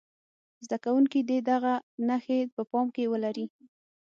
زده کوونکي دې دغه نښې په پام کې ولري.